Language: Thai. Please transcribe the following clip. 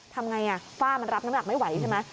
ทำไงฝ้ามันรับน้ำหนักไม่ไหวใช่ไหม